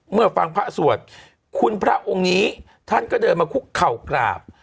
เมื่อฟังพระสวดคุณพระองค์นี้ท่านก็เดินมาคุกเข่ากราบ